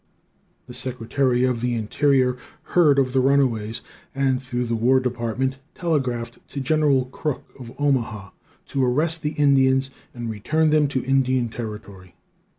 The Secretary of the Interior heard of the runaways, and through the War Department telegraphed to General Crook, of Omaha, to arrest the Indians, and return them to Indian Territory.